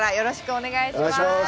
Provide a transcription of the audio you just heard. お願いします。